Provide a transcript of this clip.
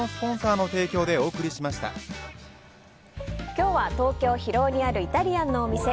今日は東京・広尾にあるイタリアンのお店